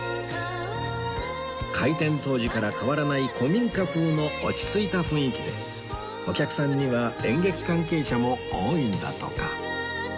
開店当時から変わらない古民家風の落ち着いた雰囲気でお客さんには演劇関係者も多いんだとか